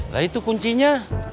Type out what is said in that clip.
lah itu kuncinya